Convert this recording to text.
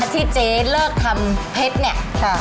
ที่เจ๊เลิกทำเพชรเนี่ย